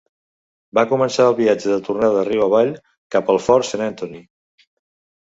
Va començar el viatge de tornada riu avall cap al Fort Saint Anthony.